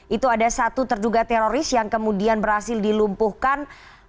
itu ada satu terduga teroris yang kemudian berhasil dilumpuhkan